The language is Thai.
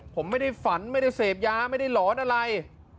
ผมไม่ได้ฝันไม่ได้เสพยาไม่ได้หลอนอะไร